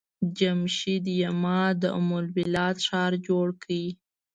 جمشيد يما د ام البلاد ښار جوړ کړ.